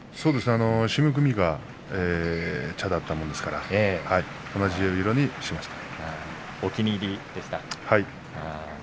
締め込みは茶色だったものですから同じ色にしました。